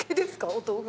お豆腐。